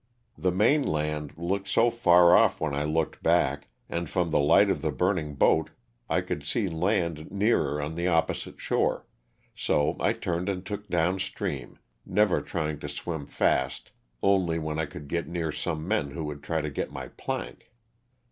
The main land LOSS OF THE SULTANA. 379 looked so far ofP when I looked back, and from the light of the burning boat I could see land nearer on the opposite shore, so I turned and took down stream never trying to swim fast only when I would get near some men who would try to get my plank.